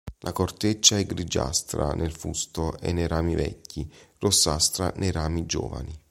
La corteccia è grigiastra nel fusto e nei rami vecchi, rossastra nei rami giovani.